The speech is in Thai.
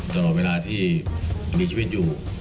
ตลอดเวลาที่มีชีวิตอยู่